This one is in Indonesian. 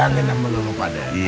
eh gua bilangin sama lu pak gede